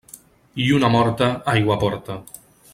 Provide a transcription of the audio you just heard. Lluna morta aigua porta.